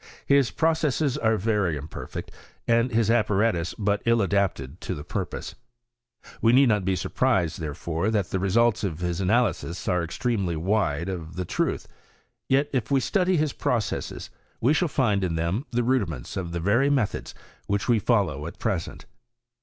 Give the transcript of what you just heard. His processes are very imperfect, and his apparatus but ill adapted to the purpose. We need not be surprised, therefore, that the results of his analyses are extremely wide of the truth. Yet, if we study his processes, we shall find in them the rudiments of the very methods which we follow at present.